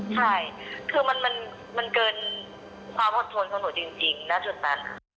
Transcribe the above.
ใช่คือมันเกินความอดทนของหนูจริงณจุดนั้น